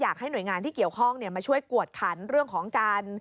อยากให้หน่วยงานที่เกี่ยวข้องมาช่วยกวดขันเรื่องของการ